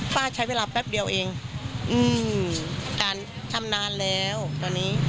ป้าใช้เวลาแป๊บเดียวเองอืมการทำนานแล้วตอนนี้